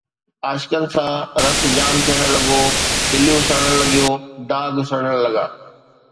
عاشقن سان رت جام ٿيڻ لڳو، دليون سڙڻ لڳيون، داغ سڙڻ لڳا